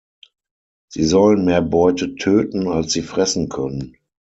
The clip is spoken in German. Sie sollen mehr Beute töten als sie fressen können.